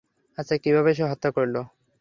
আচ্ছা, কীভাবে সে হত্যা করলো?